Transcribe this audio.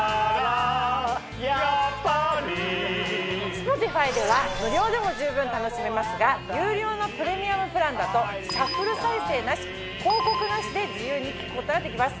Ｓｐｏｔｉｆｙでは無料でも十分楽しめますが有料のプレミアムプランだとシャッフル再生なし広告なしで自由に聴くことができます。